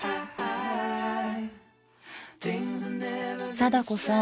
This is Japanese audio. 貞子さん